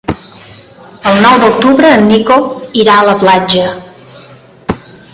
El nou d'octubre en Nico irà a la platja.